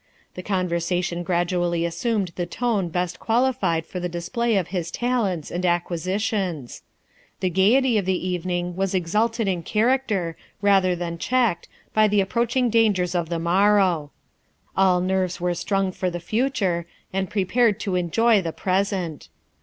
The conversation gradually assumed the tone best qualified for the display of his talents and acquisitions. The gaiety of the evening was exalted in character, rather than checked, by the approaching dangers of the morrow. All nerves were strung for the future, and prepared to enjoy the present.